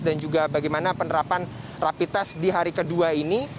dan juga bagaimana penerapan rapi tes di hari kedua ini